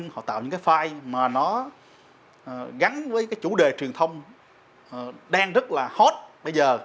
họ tạo những cái file mà nó gắn với cái chủ đề truyền thông đang rất là hot bây giờ